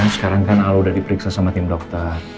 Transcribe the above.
sekarang kan al sudah diperiksa sama tim dokter